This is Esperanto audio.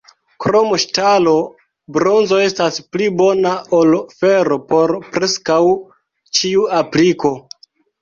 Krom ŝtalo, bronzo estas pli bona ol fero por preskaŭ ĉiu apliko.